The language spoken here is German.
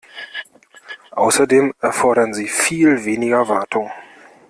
Außerdem erfordern sie viel weniger Wartung.